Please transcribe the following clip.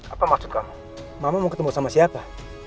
apa maksud kamu mama mau ketemu sama siapa